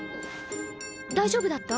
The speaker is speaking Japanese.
大丈夫だった？